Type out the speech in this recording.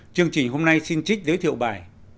chương trình hôm nay xin trích giới thiệu bài